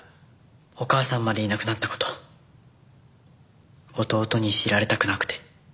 お母さんまでいなくなった事弟に知られたくなくて。